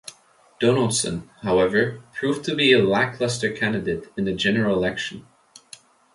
Donaldson, however, proved to be a lackluster candidate in the general election.